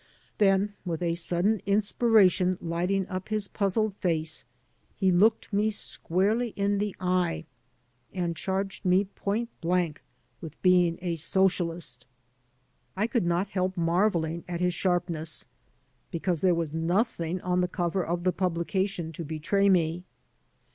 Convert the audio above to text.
Then, with a sudden inspiration lighting up his puzzled face, he looked me squarely in the eye and charged me point blank with being a socialist. I could not help marveUng at his sharpness, because there was nothing on the cover of the publica tion to betray me.